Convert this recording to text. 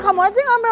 kamu aja yang ambil